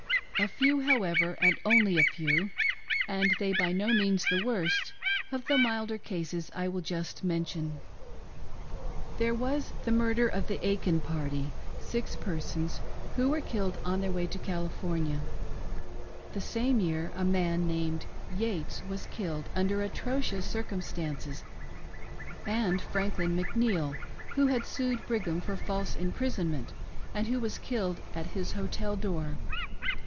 A few however, and only a few, and they by no means the worst, of the milder cases, I will just mention. THE BLOOD ATONEMENT: — A VICTIM. 319 There was the murder of the Aikin party — six persons — who were killed on their way to California. The same year a man named Yates was killed under atrocious circumstances ; and Franklin McNeil who had sued Brigham for false impris , onment and who was killed at his hotel door.